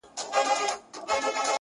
بخت به کله خلاصه غېږه په خندا سي،